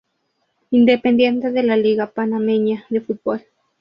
Independiente de la Liga Panameña de Fútbol.